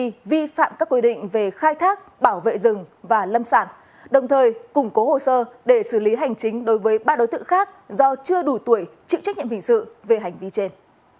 hành vi vi phạm các quy định về khai thác bảo vệ rừng và lâm sản đồng thời củng cố hồ sơ để xử lý hành chính đối với ba đối tượng khác do chưa đủ tuổi chịu trách nhiệm hình sự về hành vi trên